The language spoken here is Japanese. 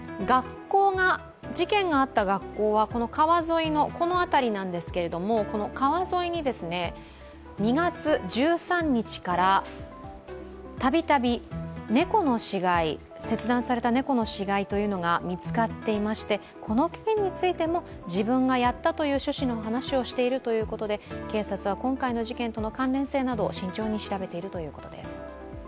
事件があった学校は川沿いのこの辺りなんですけれども川沿いに、２月１３日からたびたび切断された猫の死骸が見つかっていましてこの件についても自分がやったとの趣旨の話をしているということで警察は今回の事件との関連性など慎重に調べているということです。